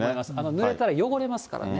濡れたら汚れますからね。